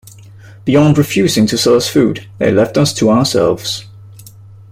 Beyond refusing to sell us food, they left us to ourselves.